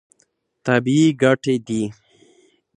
طبیعي ګټې دي.